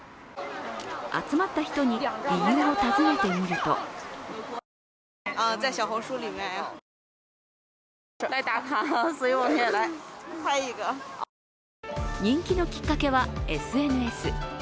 集まった人に理由を尋ねてみると人気のきっかけはＳＮＳ。